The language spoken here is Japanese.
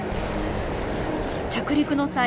着陸の際